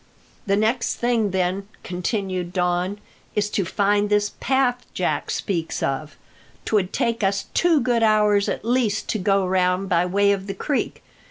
"The next thing, then," continued Don, "is to find this path Jack speaks of. 'Twould take us two good hours at least to go round by way of the creek.